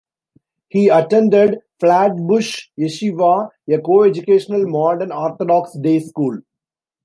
He attended Flatbush Yeshiva, a coeducational modern Orthodox day school.